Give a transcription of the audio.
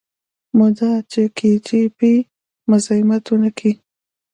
مدا چې کي جي بي مزايمت ونکي.